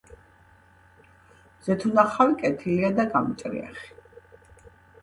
მზეთუნახავი კეთილია და გამჭრიახი.